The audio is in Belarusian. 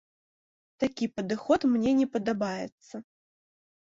Такі падыход мне не падабаецца.